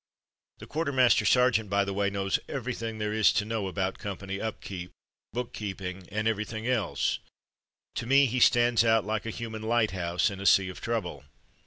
The quartermaster sergeant, by the way, knows everything there is to know about company upkeep, bookkeeping, and every thing else. To me he stands out like a human lighthouse in a sea of trouble.